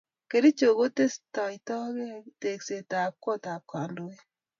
Kericho kotestaike tekset ab kot ab kandoik